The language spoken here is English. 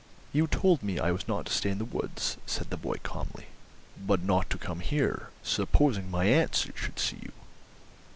"You told me I was not to stay in the woods," said the boy calmly. "But not to come here. Supposing my aunt should see you!"